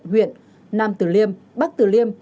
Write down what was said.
huyện nam tử liêm bắc tử liêm